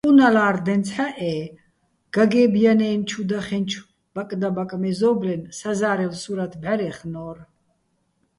ფჰ̦უ ყუნალა́რ დენცჰ̦ა́ჸ-ე გაგე́ბ ჲანა́ჲნო̆ ჩუ დახენჩო̆ ბაკდაბაკ მეზო́ბლენ საზა́რელ სურათ ბჵარჲეხნო́რ.